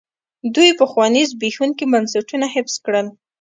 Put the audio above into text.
دوی پخواني زبېښونکي بنسټونه حفظ کړل.